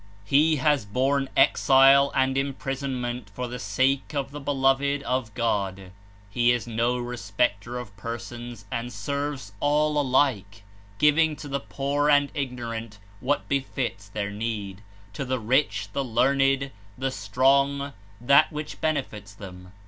He has borne exile and imprisonment for the sake of the beloved of God. He is no respecter of persons and serves all alike, giving to the poor and ignorant what befits their need, to the rich, the learned, the strong, that which benefits them.